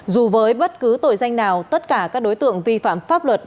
dù với bất cứ tội danh nào tất cả các đối tượng vi phạm pháp luật